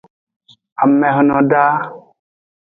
Ame hunno da.